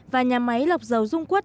và nhà máy lọc dầu dung quất